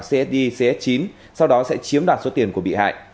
csd cs chín sau đó sẽ chiếm đoạt số tiền của bị hại